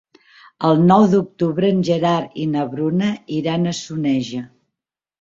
El nou d'octubre en Gerard i na Bruna iran a Soneja.